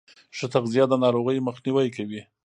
ښه تغذیه د ناروغیو مخنیوی کوي.